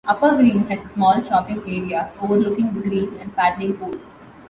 Upper Green has a small shopping area overlooking the green and paddling pool.